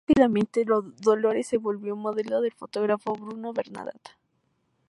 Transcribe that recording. Rápidamente Dolores se volvió modelo del fotógrafo Bruno Bernard.